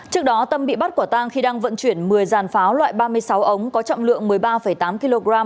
trước đó tâm bị bắt quả tang khi đang vận chuyển một mươi dàn pháo loại ba mươi sáu ống có trọng lượng một mươi ba tám kg